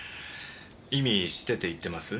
意味知ってて言ってます？